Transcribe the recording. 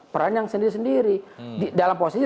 peran yang sendiri sendiri dalam posisi